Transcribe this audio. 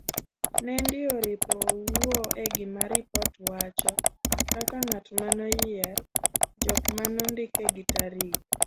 Nendi oripo wuo e gima ripot wacho ,kaka ngat manoyier, jok manondike gi tarik.